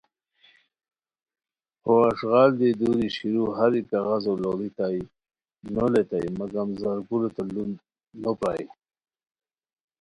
ہو اݱغال دی دُوری شیرو ہر ای کاغذو لوڑیتائے نو لیتائے مگم زارگلوتین لُونوپرائے